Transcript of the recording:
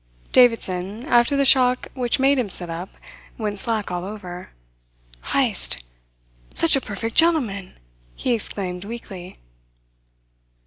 Davidson, after the shock which made him sit up, went slack all over. "Heyst! Such a perfect gentleman!" he exclaimed weakly.